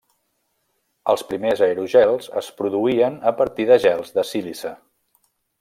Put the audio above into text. Els primers aerogels es produïen a partir de gels de sílice.